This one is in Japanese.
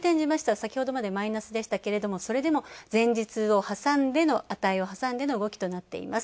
先ほどまでマイナスでしたけれどそれでも前日、値を挟んでの動きとなっています。